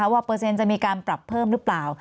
เปอร์เซ็นต์จะมีการปรับเพิ่มหรือเปล่า